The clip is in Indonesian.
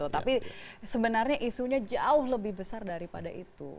tapi sebenarnya isunya jauh lebih besar daripada itu